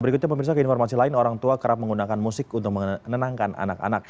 berikutnya pemirsa ke informasi lain orang tua kerap menggunakan musik untuk menenangkan anak anak